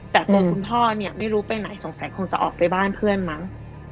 แต่ตัวคุณพ่อเนี่ยไม่รู้ไปไหนสงสัยคงจะออกไปบ้านเพื่อนมั้ง